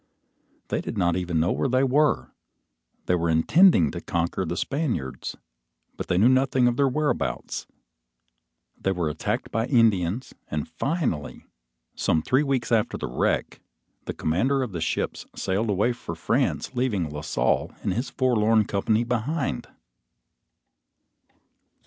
They did not even know where they were. They were intending to conquer the Spaniards, but they knew nothing of their whereabouts. They were attacked by Indians, and finally, some three weeks after the wreck, the commander of the ships sailed away for France leaving La Salle and his forlorn company behind!